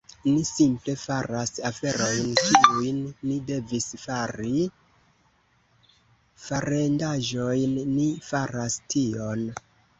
Ni simple faras aferojn, kiujn ni devis fari; farendaĵojn - Ni faras tion